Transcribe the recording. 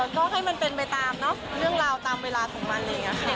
ก็ให้มันเป็นไปตามเรื่องราวตามเวลาของมัน